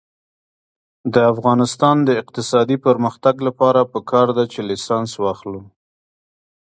د افغانستان د اقتصادي پرمختګ لپاره پکار ده چې لایسنس واخلو.